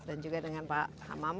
dan juga dengan pak hamam